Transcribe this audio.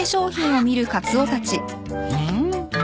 うん？